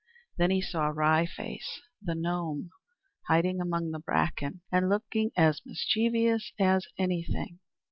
Then he saw Wry Face, the gnome, hiding among the bracken and looking as mischievous as anything.